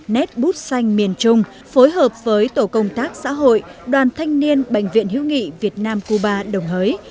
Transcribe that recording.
nét bút xanh miền trung phối hợp với tổ công tác xã hội đoàn thanh niên bệnh viện hiếu nghị việt nam cuba đồng hới